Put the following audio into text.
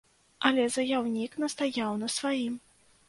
Але заяўнік настаяў на сваім.